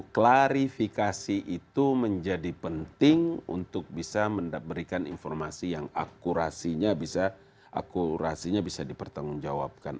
klarifikasi itu menjadi penting untuk bisa memberikan informasi yang akurasinya bisa dipertanggungjawabkan